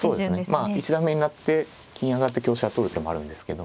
まあ一段目に成って金上がって香車取る手もあるんですけども。